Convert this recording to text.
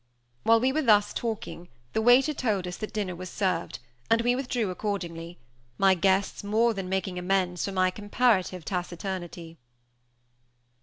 While we were thus talking the waiter told us that dinner was served, and we withdrew accordingly; my guests more than making amends for my comparative taciturnity.